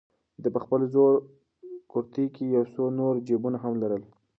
ده په خپل زوړ کورتۍ کې یو څو نور جېبونه هم لرل.